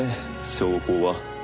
証拠は？